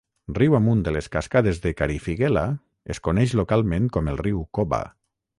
Riu amunt de les cascades de Karifiguela es coneix localment com el riu Koba.